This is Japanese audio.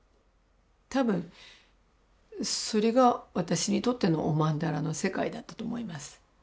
多分それが私にとってのお曼荼羅の世界だったと思います。